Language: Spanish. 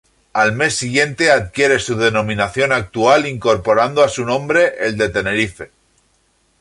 Al mes siguiente adquiere su denominación actual incorporando a su nombre el de Tenerife.